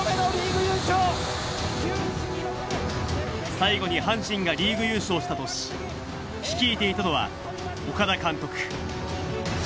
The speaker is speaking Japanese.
最後に阪神がリーグ優勝した年、率いていたのは岡田監督。